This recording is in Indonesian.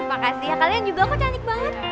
makasih ya kalian juga kok cantik banget